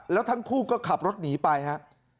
แล้วทั้งคู่ก็ขับรถหนีไปครับ